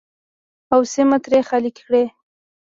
او سیمه ترې خالي کړي.